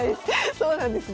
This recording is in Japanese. そうなんですね。